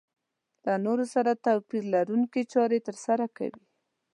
له نورو سره توپير لرونکې چارې ترسره کوي.